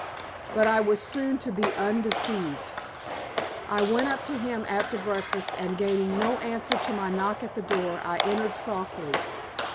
But I was soon to be undeceived. I went up to him after breakfast, and, gaining no answer to my knock at the door, I entered softly.